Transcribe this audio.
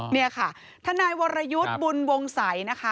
นี่ค่ะทนายวรยุทธ์บุญวงศัยนะคะ